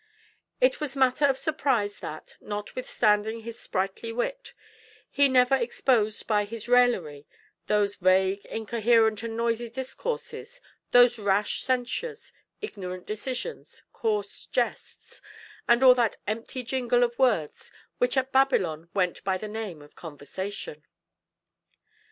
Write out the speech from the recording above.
It was matter of surprise that, notwithstanding his sprightly wit, he never exposed by his raillery those vague, incoherent, and noisy discourses, those rash censures, ignorant decisions, coarse jests, and all that empty jingle of words which at Babylon went by the name of conversation.